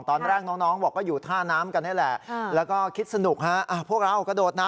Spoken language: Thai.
ตอนแรกน้องบอกอยู่ท่าน้ำกัน